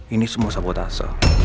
ini semua sabotase